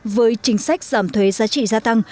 với chính sách giảm thuế giá trị gia tăng